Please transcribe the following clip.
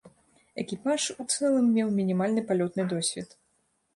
Экіпаж у цэлым меў мінімальны палётны досвед.